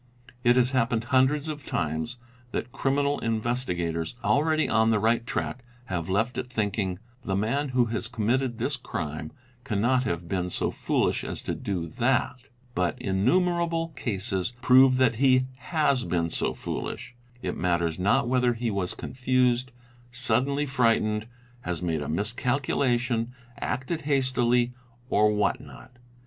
It has happened hundreds of times that criminal investigators, already on the right track, have left it _ thinking: "The man who has committed this crime cannot have been so i foolish as to do that," but innumerable cases prove that he has been so ; foolish ; it matters not whether he was confused, suddenly frightened, has made a miscalculation, acted hastily, or what not.